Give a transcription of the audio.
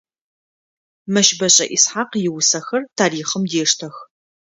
Мэщбэшӏэ Исхьакъ иусэхэр тарихъым дештэх.